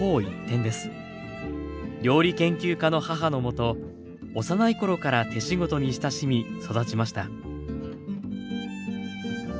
料理研究家の母のもと幼い頃から手仕事に親しみ育ちました。